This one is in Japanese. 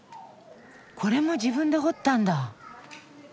これも自分で掘ったんだ。